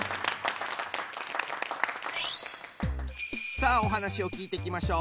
さあお話を聞いてきましょう。